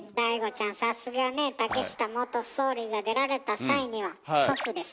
竹下元総理が出られた際には「祖父です」